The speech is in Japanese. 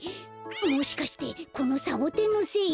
もしかしてこのサボテンのせい？